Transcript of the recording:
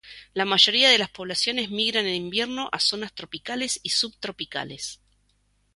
La mayoría de las poblaciones migran en invierno a zonas tropicales y subtropicales.